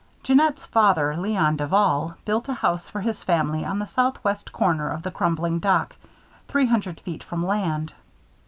Jeannette's father, Léon Duval, built a house for his family on the southwest corner of the crumbling dock, three hundred feet from land.